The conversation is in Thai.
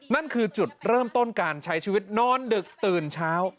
นั่นคือจุดเริ่มต้นการใช้ชีวิตนอนดึกตื่นเช้า